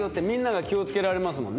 みんなが気をつけられます